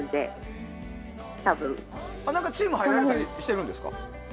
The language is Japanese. チームに入られたりしてるんですか？